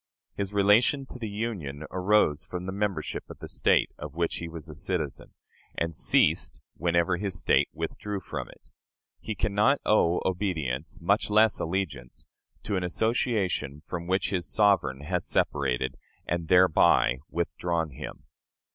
His relation to the Union arose from the membership of the State of which he was a citizen, and ceased whenever his State withdrew from it. He can not owe obedience much less allegiance to an association from which his sovereign has separated, and thereby withdrawn him.